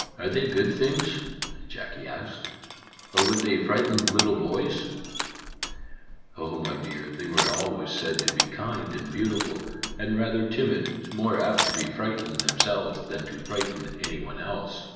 "Are they good things ?" Jackie asked, " or would they frighten little boys ?"" Oh, my dear, they were always said to be kind and beautiful, and rather timid, more apt to be frightened themselves than to frighten any one else.